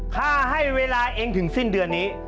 ถ้าให้เวลาเองถึงสิ้นเดือนนี้